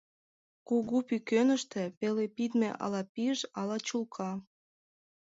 Кугу пӱкеныште пеле пидме ала пиж, ала чулка.